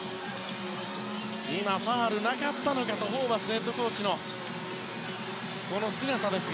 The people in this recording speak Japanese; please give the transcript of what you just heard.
今、ファウルなかったのかとホーバスヘッドコーチの姿。